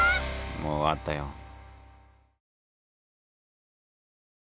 もう終わったよ。